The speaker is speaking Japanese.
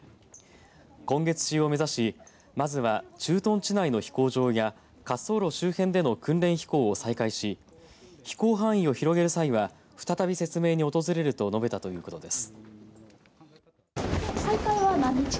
今月中を目指し、まずは駐屯地内の飛行場や滑走路周辺での訓練飛行を再開し飛行範囲を広げる際は再び説明に訪れると述べたということです。